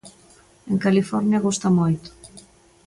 En California gusta moito.